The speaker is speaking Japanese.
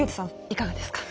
いかがですか？